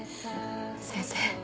先生。